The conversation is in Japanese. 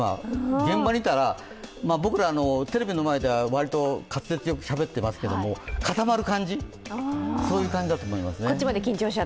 現場見たら、僕らテレビの前では割と滑舌よくしゃべってますけどかたまる感じだと思いますね。